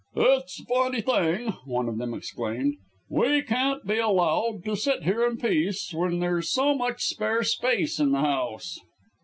"It's a funny thing," one of them exclaimed, "we can't be allowed to sit here in peace when there's so much spare space in the house."